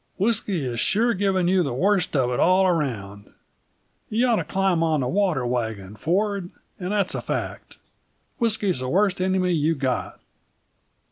"Whisky is sure giving you the worst of it all around. You ought to climb on the water wagon, Ford, and that's a fact. Whisky's the worst enemy you've got."